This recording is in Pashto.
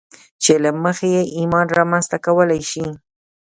چې له مخې يې ايمان رامنځته کولای شئ.